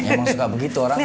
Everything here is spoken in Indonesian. emang sudah begitu orang orang